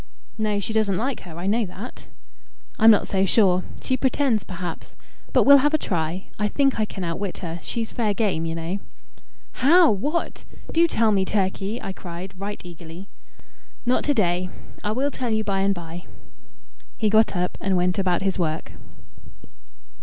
"No, she doesn't like her. I know that." "I'm not so sure. She pretends perhaps. But we'll have a try. I think I can outwit her. She's fair game, you know." "How? What? Do tell me, Turkey," I cried, right eagerly. "Not to day. I will tell you by and by." He got up and went about his work.